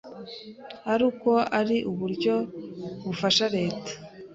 ari uko ari uburyo bufasha Leta